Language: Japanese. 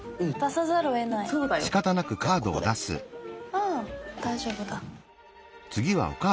ああ大丈夫だ。